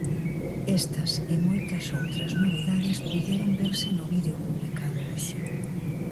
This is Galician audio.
Estas e moitas outras novidades puideron verse no vídeo publicado hoxe: